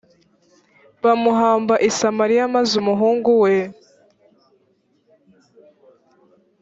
bamuhamba i samariya maze umuhungu we